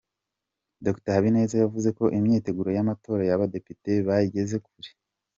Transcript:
Dr Habineza yavuze ko imyiteguro y’amatora y’abadepite bayigeze kure.